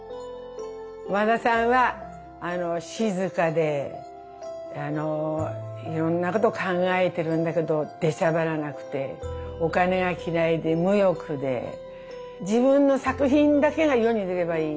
和田さんは静かでいろんなこと考えてるんだけど出しゃばらなくてお金が嫌いで無欲で自分の作品だけが世に出ればいい